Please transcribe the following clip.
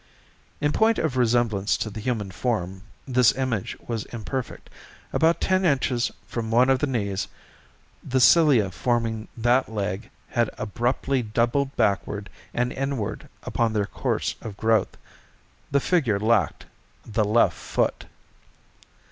In point of resemblance to the human form this image was imperfect. At about ten inches from one of the knees, the cilia forming that leg had abruptly doubled backward and inward upon their course of growth. The figure lacked the left foot.